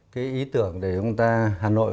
cái ý tưởng để chúng ta hà nội